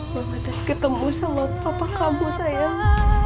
mama dah ketemu sama papa kamu sayang